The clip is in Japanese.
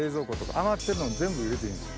余ってるのを全部入れていいんです。